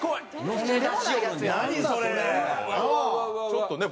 ちょっとね